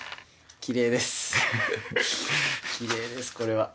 きれいです、これは。